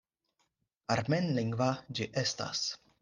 Armenlingva ĝi estas.